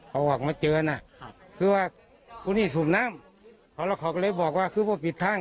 เอาออกมาเจอนะครับคือว่ากูนี่สูบน้ำเขาแล้วเขาก็เลยบอกว่าคือพวกปิดทาง